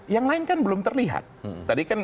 yang lain kan belum terlihat tadi kan